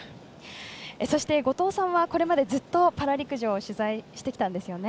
そして、後藤さんはこれまでずっとパラ陸上を取材してきたんですよね。